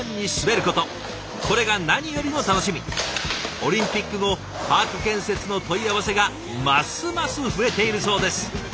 オリンピック後パーク建設の問い合わせがますます増えているそうです。